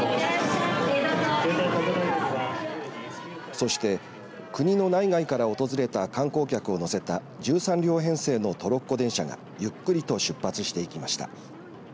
そして国の内外から訪れた観光客を乗せた１３両編成のトロッコ電車がゆっくりと出発していきました。